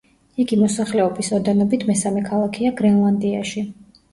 იგი მოსახლეობის ოდენობით მესამე ქალაქია გრენლანდიაში.